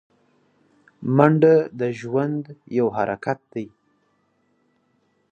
منډه د ژوند یو حرکت دی